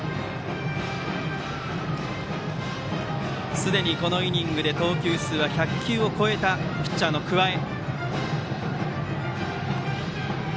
すでにこのイニングで投球数は１００球を超えたピッチャーの桑江。